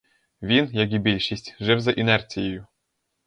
Він, як і більшість, жив за інерцією.